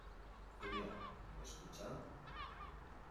Julia, ¿ me escucha?